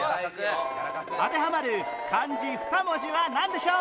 当てはまる漢字２文字はなんでしょう？